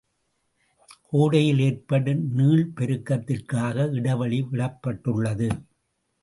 கோடையில் ஏற்படும் நீள்பெருக்கத்திற்காக இடைவெளி விடப்பட்டுள்ளது.